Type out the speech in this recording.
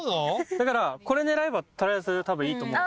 だからこれ狙えば取りあえず多分いいと思う。